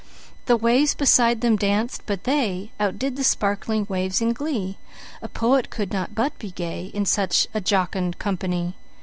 The waves beside them danced, but theyOutdid the sparkling waves in glee:—A poet could not but be gayIn such a jocund company!